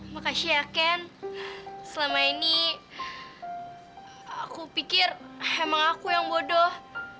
makasih ya ken selama ini aku pikir emang aku yang bodoh